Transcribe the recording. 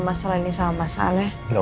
masalah ini sama masalahnya